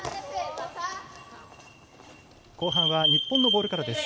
後半は日本のボールからです。